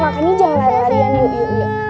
makan aja jangan lari larian yuk yuk yuk